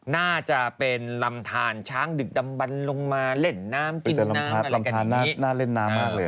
น่าจะเป็นลำทานช้างดึกดำบันลงมาเล่นน้ำกินน้ำอะไรแบบนี้